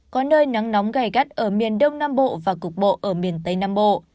có nơi nắng nóng gai gắt ở miền đông nam bộ và cục bộ ở miền tây nam bộ